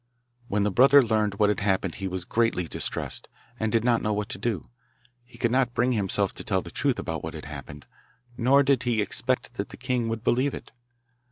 When the brother learned what had happened he was greatly distressed, and did not know what to do. He could not bring himself to tell the truth about what had happened, nor did he expect that the king would believe it.